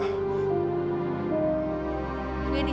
ibu kangen sama lia